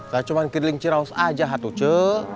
saya cuma keliling ciraus aja atu tute